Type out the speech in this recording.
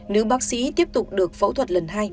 nữ bác sĩ tiếp tục được phẫu thuật lần hai